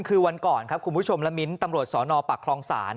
คือวันก่อนครับคุณผู้ชมและมิ้นตำรวจสนปักคลองศาล